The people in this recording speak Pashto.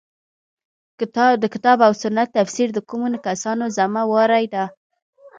د کتاب او سنت تفسیر د کومو کسانو ذمه واري ده.